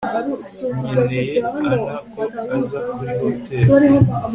nkeneye ,ana ko aza kuri hotel